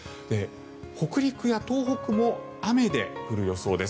北陸や東北も雨で降る予想です。